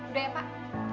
udah ya pak